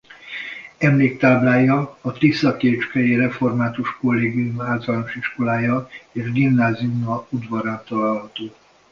Emléktáblája a tiszakécskei Református Kollégium Általános Iskolája és Gimnáziuma udvarán található.